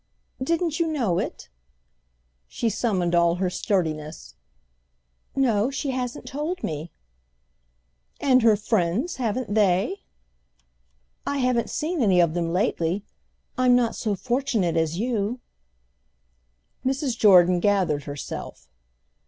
"Didn't you know it?" She summoned all her sturdiness. "No, she hasn't told me." "And her friends—haven't they?" "I haven't seen any of them lately. I'm not so fortunate as you." Mrs. Jordan gathered herself.